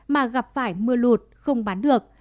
mà gặp phải mưa lụt không bán được